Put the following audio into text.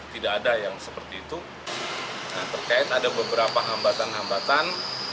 tidak ada yang seperti itu terkait ada beberapa hambatan hambatan